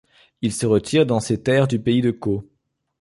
Il se retire dans ses terres du pays de Caux.